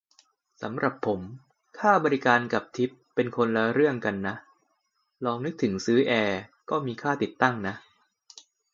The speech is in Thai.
สำหรับผม ค่าบริการ กับ ทิป เป็นคนละเรื่องกันนะ ลองนึกถึงซื้อแอร์ ก็มีค่าติดตั้งนะ